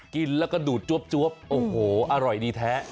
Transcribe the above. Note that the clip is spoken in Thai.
กินแล้วก็ดูดจวบโอ้โหอร่อยดีแท้